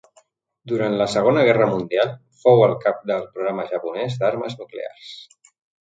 Durant la Segona Guerra Mundial, fou el cap del programa japonès d'armes nuclears.